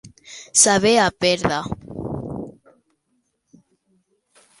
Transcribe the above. Saber a pebre.